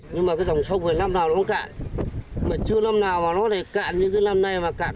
nhưng mà cái tổng sốc này năm nào nó cạn mà chưa năm nào mà nó lại cạn như cái năm nay mà cạn